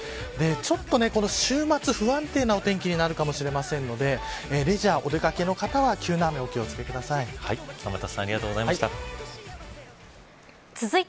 ちょっとこの週末不安定なお天気になるかもしれませんのでレジャー、お出掛けの方は急な雨にお気を付けください。